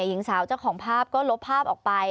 หญิงสาวเจ้าของภาพก็ลบภาพออกไป